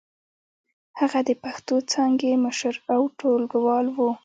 هغه د پښتو څانګې مشر او ټولګيوال و.